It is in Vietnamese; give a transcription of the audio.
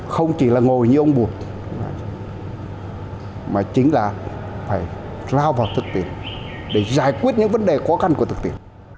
không chỉ là ngồi như ông bùi mà chính là phải lao vào thực tiện để giải quyết những vấn đề khó khăn của thực tiện